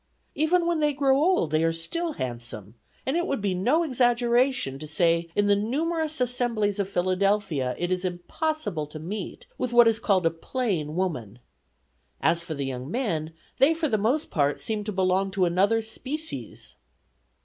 Even when they grow old they are still handsome; and it would be no exaggeration to say in the numerous assemblies of Philadelphia it is impossible to meet with what is called a plain woman. As for the young men, they for the most part seem to belong to another species."